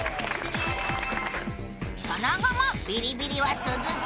その後もビリビリは続き